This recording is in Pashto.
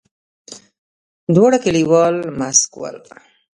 دواړه کليوال موسک ول.